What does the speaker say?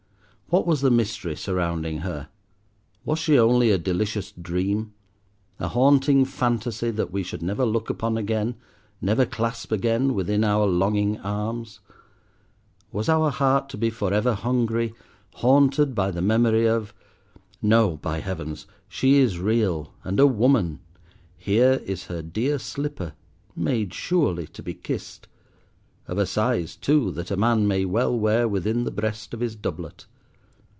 What was the mystery surrounding her? Was she only a delicious dream, a haunting phantasy that we should never look upon again, never clasp again within our longing arms? Was our heart to be for ever hungry, haunted by the memory of—No, by heavens, she is real, and a woman. Here is her dear slipper, made surely to be kissed. Of a size too that a man may well wear within the breast of his doublet.